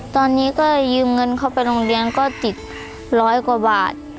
ตอนนี้ก็ยืมเงินเขาไปโรงเรียนก็ติดร้อยกว่าบาท